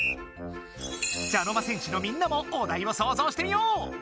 茶の間戦士のみんなもお題を想像してみよう！